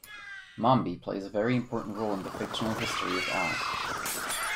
Mombi plays a very important role in the fictional history of Oz.